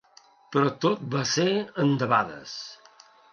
Però tot va ser endebades.